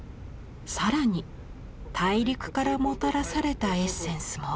更に大陸からもたらされたエッセンスも。